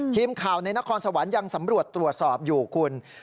ทีมข่าวในนครสวรรค์ยังสำรวจตรวจสอบอยู่คุณ